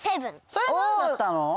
それなんだったの？